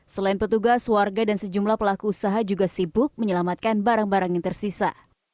selain petugas warga dan sejumlah pelaku usaha juga sibuk menyelamatkan barang barang yang tersisa